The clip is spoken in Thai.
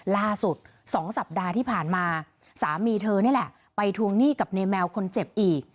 ล่าสุด๒สัปดาห์ที่ผ่านมาสามีเธอนี่แหละไปทวงหนี้กับในแมวคนเจ็บอีก